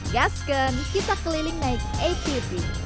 gaskan kita keliling naik atv